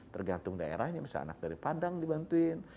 tergantung daerahnya misalnya anak dari padang dibantuin